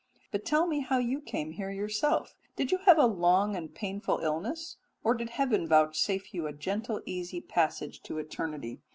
But tell me how you came here yourself? Did you have a long and painful illness or did heaven vouchsafe you a gentle easy passage to eternity?